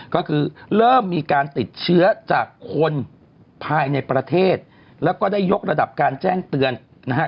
ก็คือเริ่มมีการติดเชื้อจากคนภายในประเทศแล้วก็ได้ยกระดับการแจ้งเตือนนะฮะ